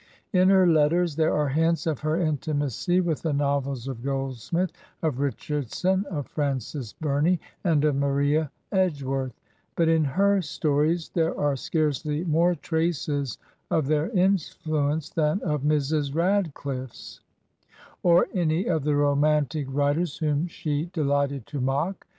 In her letters there are hints of her intimacy with the novels of Goldsmith, of Richardson, of Frances Bumey, and of Maria Edgeworth; but in her stories there are scarcely more traces of their influence than of Mrs. Radcliflfe's, or any of the romantic writers whom she delighted to mock.